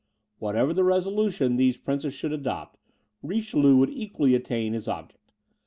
Whatever the resolution these princes should adopt, Richelieu would equally attain his object.